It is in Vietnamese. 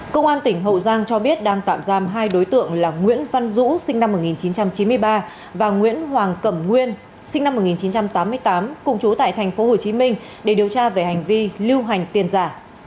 công an tỉnh hậu giang cho biết đang tạm giam hai đối tượng là nguyễn văn dũ sinh năm một nghìn chín trăm chín mươi ba và nguyễn hoàng cẩm nguyên sinh năm một nghìn chín trăm tám mươi tám cùng chú tại tp hcm để điều tra về hành vi lưu hành tiền giả